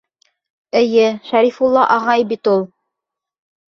Эйе, Шәрифулла ағай бит ул...